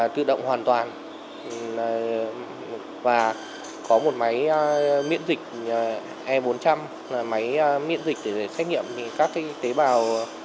trong đó có một máy miễn dịch e bốn trăm linh máy miễn dịch để xét nghiệm các tế bào